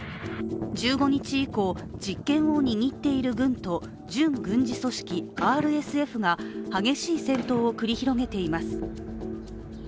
１５日以降、実権を握っている軍と準軍事組織ＲＳＦが激しい戦闘を繰り広げています。